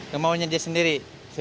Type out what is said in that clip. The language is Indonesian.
kemauannya dia sendiri